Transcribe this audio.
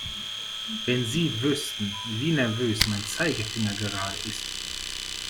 Wenn Sie wüssten, wie nervös mein Zeigefinger gerade ist!